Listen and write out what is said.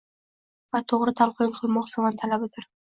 va to‘g‘ri talqin qilmoq zamon talabidir.